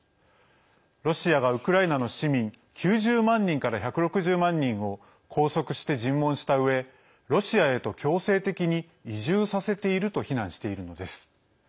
ロシアがウクライナの市民９０万人から１６０万人を拘束して尋問したうえロシアへと強制的に移住させていると非難しているのです。